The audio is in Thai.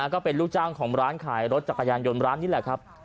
ก็เป็นลูกจ้างของร้านขายรถจักรยานยนต์ร้านนี้แหละครับ